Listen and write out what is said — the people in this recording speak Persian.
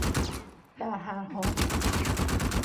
در هر حال